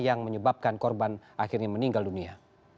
yang menyebabkan korban akhirnya meninggal dunia